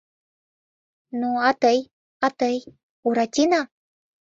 — Ну, а тый, а тый, Буратино?